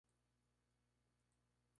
Abajo hay dos escudos vacíos.